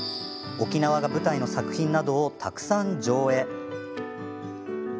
沖縄が舞台の作品などをたくさん上映。